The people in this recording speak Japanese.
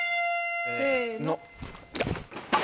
せの。